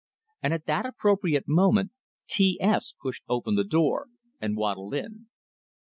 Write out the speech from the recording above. And at that appropriate moment T S pushed open the door and waddled in!